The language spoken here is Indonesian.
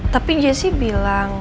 tapi jesse bilang